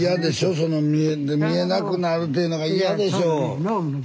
その見えなくなるっていうのが嫌でしょう。